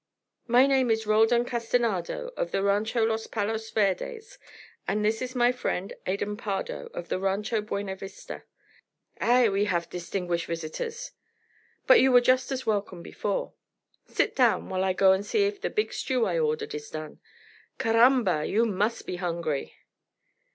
"My name is Roldan Castanada of the Rancho Los Palos Verdes, and this is my friend Adan Pardo of the Rancho Buena Vista." "Ay! we have distinguished visitors. But you were just as welcome before. Sit down while I go and see if the big stew I ordered is done. Caramba! but you must be hungry."